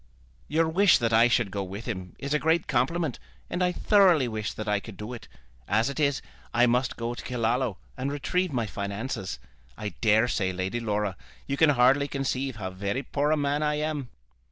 "Your wish that I should go with him is a great compliment, and I thoroughly wish that I could do it. As it is, I must go to Killaloe and retrieve my finances. I daresay, Lady Laura, you can hardly conceive how very poor a man I am."